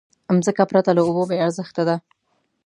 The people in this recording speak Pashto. مځکه پرته له اوبو بېارزښته ده.